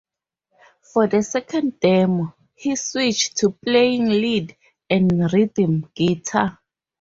For the second demo, he switched to playing lead and rhythm guitar.